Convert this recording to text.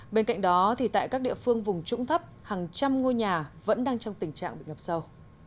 bên cạnh đó tại các địa phương vùng trũng thấp hàng trăm ngôi nhà vẫn đang trong tình trạng bị ngập sâu